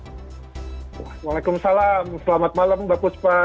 assalamualaikum selamat malam mbak kuspa